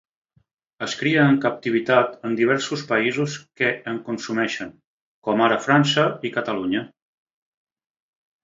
Es cria en captivitat en diversos països que en consumeixen, com ara França i Catalunya.